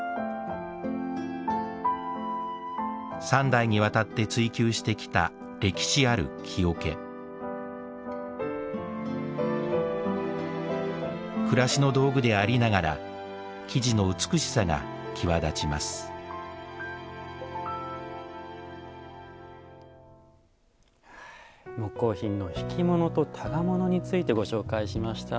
３代にわたって追求してきた歴史ある木桶暮らしの道具でありながら木地の美しさが際立ちます木工品の挽物と箍物についてご紹介しました。